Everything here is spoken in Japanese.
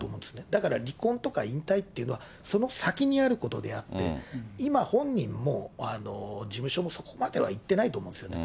だから離婚とか引退っていうのは、その先にあることであって、今、本人も事務所もそこまではいってないと思うんですね。